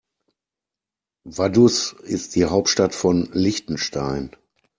Vaduz ist die Hauptstadt von Liechtenstein.